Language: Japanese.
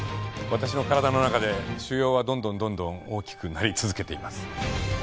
私の体の中で腫瘍はどんどんどんどん大きくなり続けています。